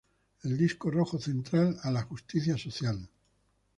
El disco rojo central a la justicia social.